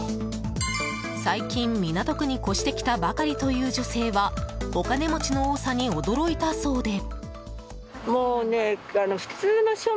最近、港区に越してきたばかりという女性はお金持ちの多さに驚いたそうで。